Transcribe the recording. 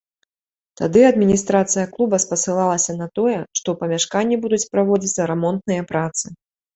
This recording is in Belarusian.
Тады адміністрацыя клуба спасылалася на тое, што ў памяшканні будуць праводзіцца рамонтныя працы.